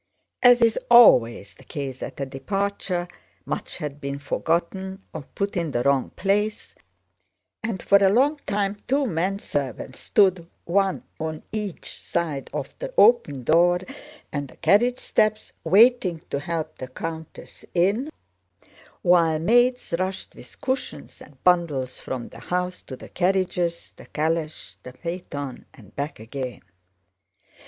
As is always the case at a departure, much had been forgotten or put in the wrong place, and for a long time two menservants stood one on each side of the open door and the carriage steps waiting to help the countess in, while maids rushed with cushions and bundles from the house to the carriages, the calèche, the phaeton, and back again.